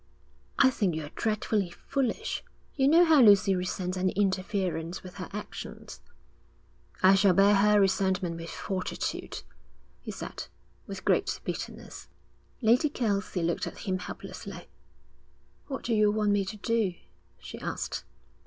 'I think you're dreadfully foolish. You know how Lucy resents any interference with her actions.' 'I shall bear her resentment with fortitude,' he said, with great bitterness. Lady Kelsey looked at him helplessly. 'What do you want me to do?' she asked.